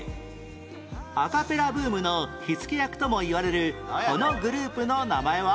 アカペラブームの火付け役ともいわれるこのグループの名前は？